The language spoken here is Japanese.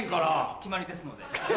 決まりですので。